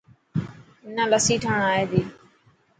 منا لسي ٺاهڻ آي تي.